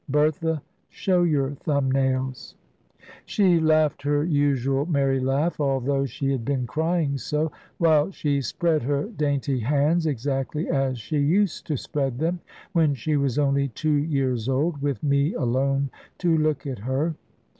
Bertha, show your thumb nails." She laughed her usual merry laugh (although she had been crying so) while she spread her dainty hands, exactly as she used to spread them, when she was only two years old, with me alone to look at her.